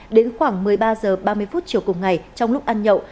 đến khoảng một mươi ba h ba mươi phút chiều cùng ngày trong lúc ăn nhậu